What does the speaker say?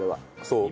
そう。